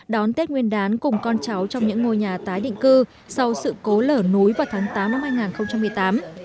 đón tết nguyên đán cùng con cháu trong những ngôi nhà tái định cư sau sự cố lở núi vào tháng tám năm hai nghìn một mươi tám